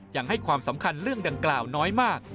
ยังให้ความสำคัญเรื่องดังกล่าวน้อยมาก